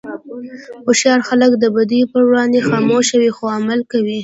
هوښیار خلک د بدیو پر وړاندې خاموش وي، خو عمل کوي.